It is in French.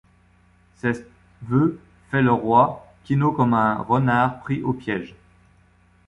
Ceste veue feit le Roy quinauld comme ung renard prins au piège.